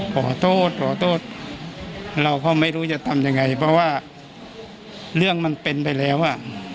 ขอโทษขอโทษเราก็ไม่รู้จะทำยังไงเพราะว่าเรื่องมันเป็นไปแล้วอ่ะ